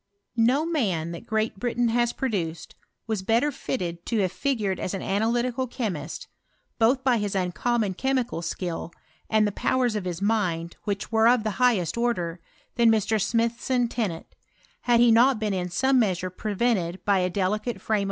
No man that Great Britain has produced was bet ter fitted to have figured as an analytical chemiat. both by his uncommon chemical skill, and ihe powers of his mind, which were of the highest order, than Mr. Smithson Tennant, had he not been 'm Bome measure prevented by a delicate frame.